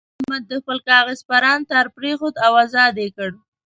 احمد د خپل کاغذ پران تار پرېښود او ازاد یې کړ.